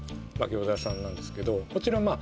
餃子屋さんなんですけどこちらまあ